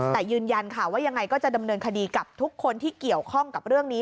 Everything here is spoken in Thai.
แต่ยืนยันค่ะว่ายังไงก็จะดำเนินคดีกับทุกคนที่เกี่ยวข้องกับเรื่องนี้